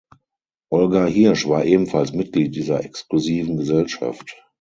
Olga Hirsch war ebenfalls Mitglied dieser exklusiven Gesellschaft.